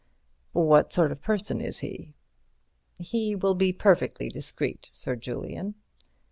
"What sort of person is he?" "He will be perfectly discreet, Sir Julian."